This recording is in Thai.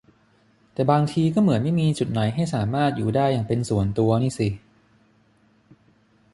แต่บางทีก็เหมือนไม่มีจุดไหนให้สามารถอยู่ได้อย่างเป็นส่วนตัวนี่สิ